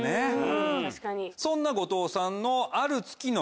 そんな後藤さんの。